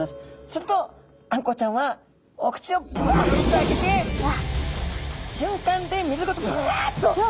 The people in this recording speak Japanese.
するとあんこうちゃんはお口をブワッと開けてしゅんかんで水ごとブワッと。